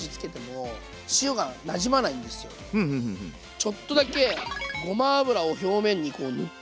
ちょっとだけごま油を表面にこう塗って。